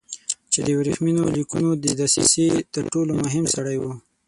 چې د ورېښمینو لیکونو د دسیسې تر ټولو مهم سړی و.